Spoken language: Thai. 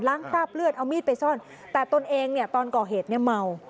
ล้างคราบเลือดเอามีดไปซ่อนแต่ตนเองตอนก่อเหตุเมา